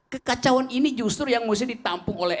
kekacauan ini justru yang mesti ditampung oleh